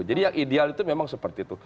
yang ideal itu memang seperti itu